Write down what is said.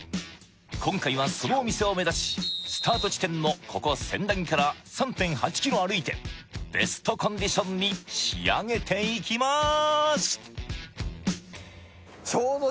今回はそのお店を目指しスタート地点のここ千駄木から３．８ｋｍ歩いてベストコンディションに仕上げていきまーす